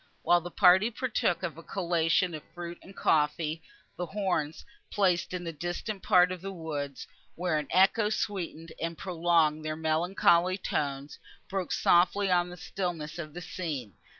While the party partook of a collation of fruit and coffee, the horns, placed in a distant part of the woods, where an echo sweetened and prolonged their melancholy tones, broke softly on the stillness of the scene.